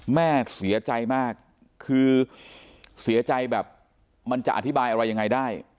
แม่เสียใจมากคือเสียใจแบบมันจะอธิบายอะไรยังไงได้